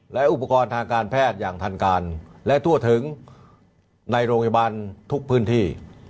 และอุปกรณ์ทางการแพทย์อย่างทันการและทั่วถึงในโรงพยาบาลทุกพื้นที่